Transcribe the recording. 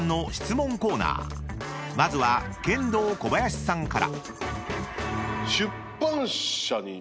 ［まずはケンドーコバヤシさんから］